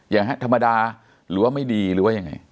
อย่างนี้ธรรมดาหรือว่าไม่ดีหรือว่ายังไง